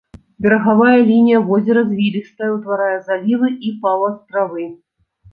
Берагавая лінія возера звілістая, утварае залівы і паўастравы.